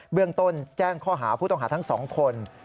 เรื่องต้นแจ้งข้อหาผู้ต้องหาทั้ง๒คน